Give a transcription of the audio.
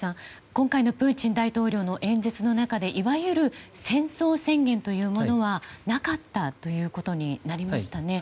今回のプーチン大統領の演説の中でいわゆる戦争宣言というものはなかったということになりましたね。